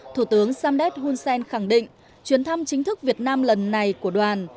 thủ tướng samdet hunsen khẳng định chuyến thăm chính thức việt nam lần này của đoàn